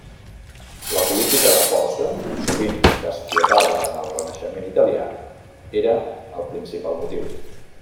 La política de força, sovint despietada en el Renaixement italià, era el principal motiu.